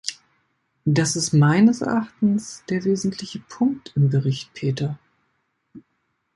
Das ist meines Erachtens der wesentliche Punkt im Bericht Peter.